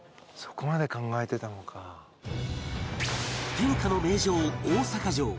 天下の名城大阪城